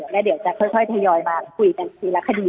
แล้วเดี๋ยวจะค่อยทยอยมาคุยกันทีละคดี